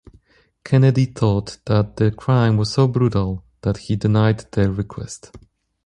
Kennedy thought that the crime was so brutal that he denied their request.